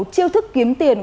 chiêu thức kiếm tiền